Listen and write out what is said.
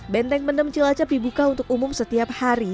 benteng mendem cilacap dibuka untuk umum setiap hari